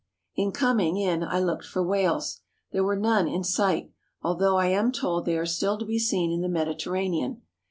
In coming in I looked for whales. There were none in sight, although I am told they are still to be seen in the Mediterranean.